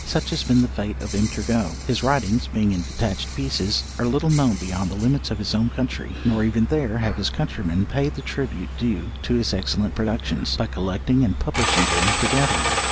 Such has been the fate of M. Turgot: his writings, being in detached pieces, are little known beyond the limits of his own country; nor even there have his countrymen paid the tribute due to his excellent productions, by collecting and publishing them together.